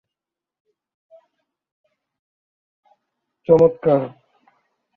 Jordan স্বাগতিক হিসাবে সরাসরি যোগ্যতা অর্জন করে।